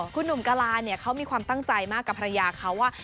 คุณหนุ่มกะลาเนี่ยเขามีความตั้งใจมากกับภรรยาเขาว่า